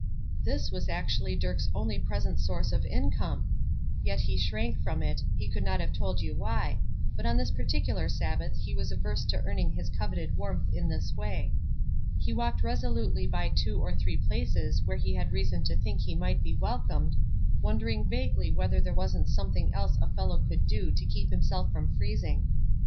This was actually Dirk's only present source of income! Yet he shrank from it; he could not have told you why, but on this particular Sabbath he was averse to earning his coveted warmth in this way. He walked resolutely by two or three places where he had reason to think he might be welcomed, wondering vaguely whether there wasn't something else a fellow could do to keep himself from freezing.